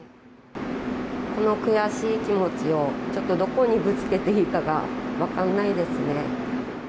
この悔しい気持ちをちょっとどこにぶつけていいかが分かんないですね。